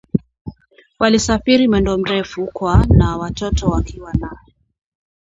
Walisafiri mwendo mrefu kwa na watoto wakiwa na